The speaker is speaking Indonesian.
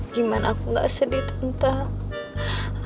gimana aku gak sedih tentang